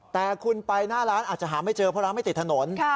แต่คุณไปหน้าร้านอาจจะหาไม่เจอเพราะร้านไม่ติดถนน